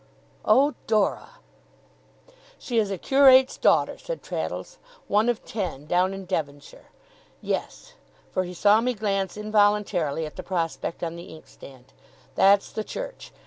Oh, Dora! 'She is a curate's daughter,' said Traddles; 'one of ten, down in Devonshire. Yes!' For he saw me glance, involuntarily, at the prospect on the inkstand. 'That's the church!